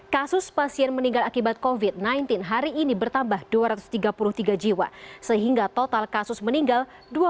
kasus pasien meninggal akibat covid sembilan belas hari ini bertambah dua ratus tiga puluh tiga jiwa sehingga total kasus meninggal